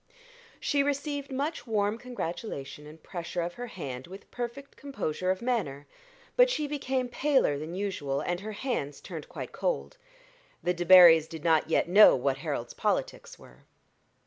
She received much warm congratulation and pressure of her hand with perfect composure of manner; but she became paler than usual, and her hands turned quite cold. The Debarrys did not yet know what Harold's politics were.